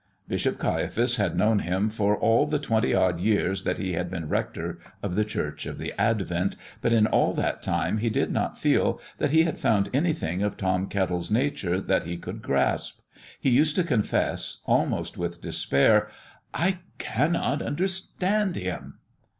Bishop Caiaphas had known him for all the twenty odd years that he had been rector of the Church of the Advent, but in all that time he did not feel that he had found anything of Tom Kettle's nature that he could grasp. He used to confess, almost with despair, "I cannot understand him."